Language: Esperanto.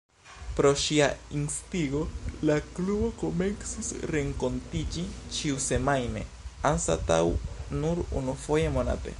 Pro ŝia instigo la klubo komencis renkontiĝi ĉiusemajne anstataŭ nur unufoje monate.